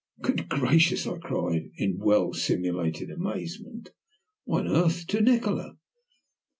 "Good gracious," I cried, in well simulated amazement, "why on earth to Nikola?"